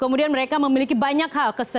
kemudian mereka memiliki banyak hal